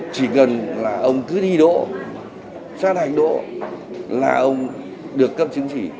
chỉ cần là ông cứ đi độ sát hành độ là ông được cấp chứng chỉ